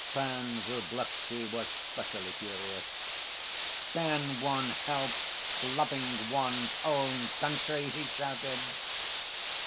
Pan Vrublevsky was specially furious. "Can one help loving one's own country?" he shouted.